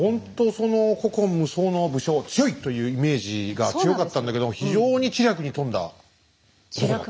その古今無双の武将強いというイメージが強かったんだけど非常に知略に富んだ男だったね。